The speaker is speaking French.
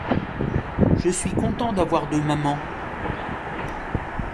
Je suis content d'avoir deux mamans.